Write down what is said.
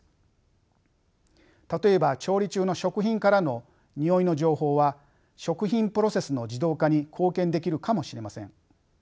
例えば調理中の食品からのにおいの情報は食品プロセスの自動化に貢献できるかもしれません。